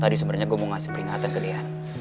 tadi sebenarnya gue mau ngasih peringatan ke liar